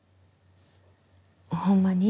ほんまに？